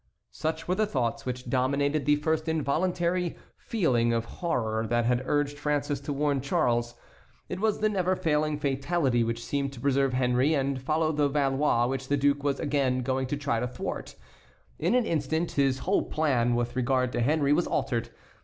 Such were the thoughts which dominated the first involuntary feeling of horror that had urged François to warn Charles. It was the never failing fatality which seemed to preserve Henry and follow the Valois which the duke was again going to try to thwart. In an instant his whole plan with regard to Henry was altered.